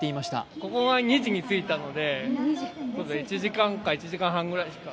ここは２時に着いたので、１時間か１時間半くらいしか。